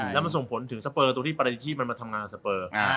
แล้วมันส่งผลถึงสเปอร์ตรงที่ปริชีพมันมาทำงานสเปอร์